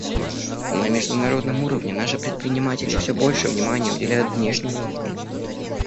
На международном уровне наши предприниматели все больше внимания уделяют внешним рынкам.